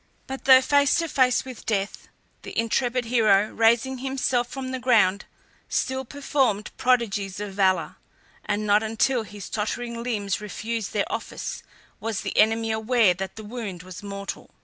But though face to face with death, the intrepid hero, raising himself from the ground, still performed prodigies of valour, and not until his tottering limbs refused their office was the enemy aware that the wound was mortal.